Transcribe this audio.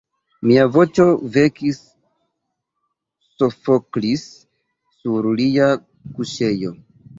Mia voĉo vekis Sofoklis sur lia kuŝejo.